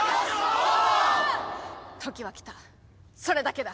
時は来たそれだけだ。